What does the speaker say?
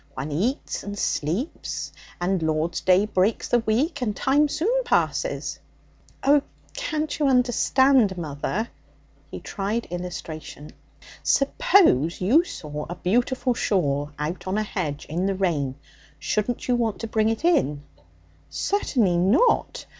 One eats and sleeps, and Lord's Day breaks the week, and time soon passes.' 'Oh, can't you understand, mother?' He tried illustration. 'Suppose you saw a beautiful shawl out on a hedge in the rain, shouldn't you want to bring it in?' 'Certainly not.